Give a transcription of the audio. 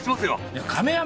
いや亀山！